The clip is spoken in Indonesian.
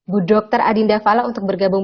budokter adinda fala untuk bergabung